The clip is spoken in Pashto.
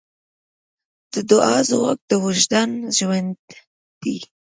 د دعا ځواک د وجدان ژوند دی.